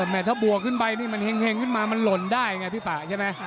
แม่ถ้าบวกขึ้นไปนี่มันเห็งขึ้นมามันหล่นได้ไงพี่ป่าใช่ไหม